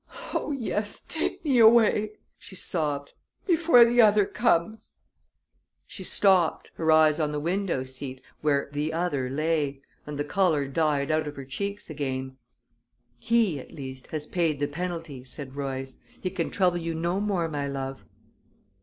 "Oh, yes; take me away," she sobbed, "before the other comes." She stopped, her eyes on the window seat, where "the other" lay, and the color died out of her cheeks again. "He, at least, has paid the penalty," said Royce. "He can trouble you no more, my love."